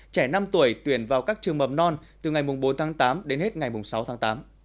trẻ năm tuổi tuyển vào các trường mầm non từ ngày bốn tháng tám đến hết ngày sáu tháng tám